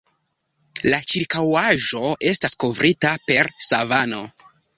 La ĉirkaŭaĵo estas kovrita per savano.